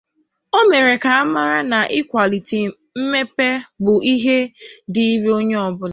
O mere ka a mara na ịkwàlite mmepe bụ ihe dịịrị onye ọbụla